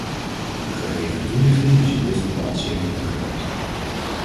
De gegeven toelichting is in dit verband zeer nuttig geweest.